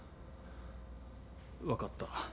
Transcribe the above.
分かった。